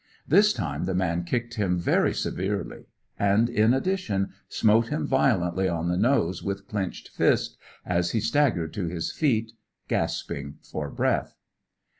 This time the man kicked him very severely, and, in addition, smote him violently on the nose with clenched fist, as he staggered to his feet, gasping for breath.